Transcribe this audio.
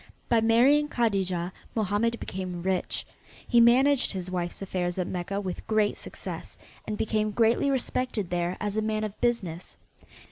By marrying Kadijah Mohammed became rich. He managed his wife's affairs at Mecca with great success, and became greatly respected there as a man of business.